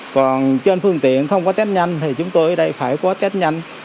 còn trên phương tiện không có tét nhanh thì chúng tôi ở đây phải có tét nhanh